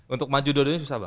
untuk maju dua duanya susah pak